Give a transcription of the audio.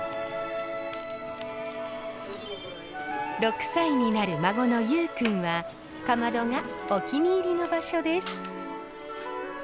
６歳になる孫の佑宇くんはかまどがお気に入りの場所です。